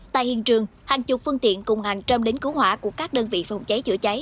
tại hiện trường hàng chục phương tiện cùng hàng trăm đến cứu hỏa của các đơn vị phòng cháy chữa cháy